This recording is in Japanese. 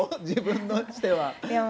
自分としては。